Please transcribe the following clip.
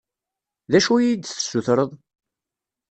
D acu i yi-d-tessutreḍ?